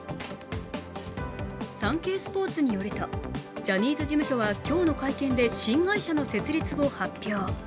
「サンケイスポーツ」によるとジャニーズ事務所は今日の会見で新会社の設立を発表。